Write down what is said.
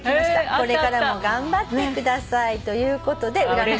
「これからも頑張ってください」ということで占い。